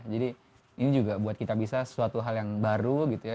jadi ini juga buat kita bisa sesuatu hal yang baru gitu ya